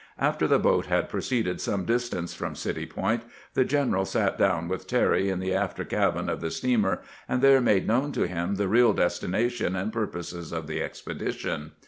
After the boat had proceeded some distance from City Point, the general sat down with Terry in the after cabin of the steamer, and there made known to him the real destination and purposes of the expedition.